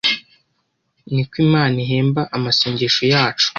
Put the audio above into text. niko Imana ihemba amasengesho yacu